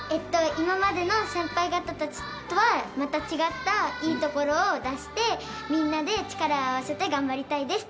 今までの先輩方たちとはまた違ったいいところを出してみんなで力を合わせて頑張りたいです。